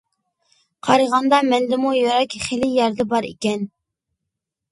قارىغاندا مەندىمۇ يۈرەك خېلى يەردە بار ئىكەن.